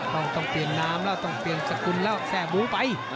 ต้องเปลี่ยนน้ำแล้วต้องเปลี่ยนสกุลแล้วแทร่หมูไป